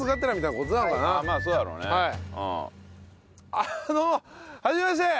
あのはじめまして！